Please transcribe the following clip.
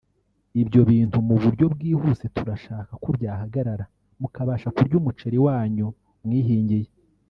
ibyo bintu mu buryo bwihuse turashaka ko byahagarara mukabasha kurya umuceri wanyu mwihingiye